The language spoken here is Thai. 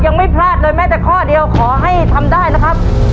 ยังไม่พลาดเลยแม้แต่ข้อเดียวขอให้ทำได้นะครับ